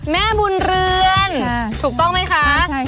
แม่บุญเรือนถูกต้องไหมคะ